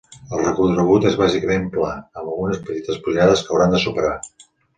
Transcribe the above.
El recorregut és bàsicament pla, amb algunes petites pujades que hauran de superar.